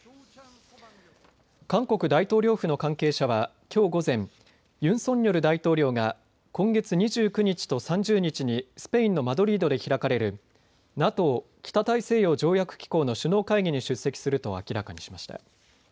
韓国大統領府の関係者はきょう午前、ユン・ソンニョル大統領が今月２９日と３０日にスペインのマドリードで開かれるＮＡＴＯ・北大西洋条約機構の首脳会議に出席すると明らかにしました。